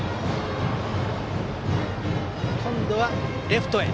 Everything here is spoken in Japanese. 今度はレフトへ。